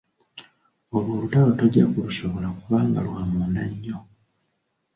Olwo olutalo tojja kulusobola kubanga lwa munda nnyo.